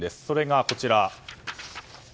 それが、こちら。